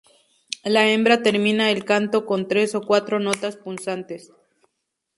La hembra termina el canto con tres o cuatro notas punzantes.